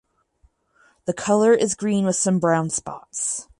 The colour is green with some brown spots.